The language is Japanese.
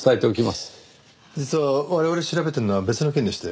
実は我々調べてるのは別の件でして。